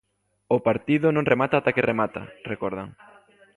"O partido non remata ata que remata", recordan.